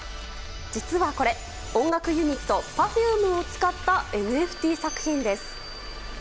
実はこれ音楽ユニットＰｅｒｆｕｍｅを使ったＮＦＴ作品です。